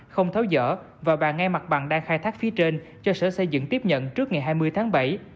không tháo dở và bàn ngay mặt bằng đang khai thác phía trên cho sở xây dựng tiếp nhận trước ngày hai mươi tháng bảy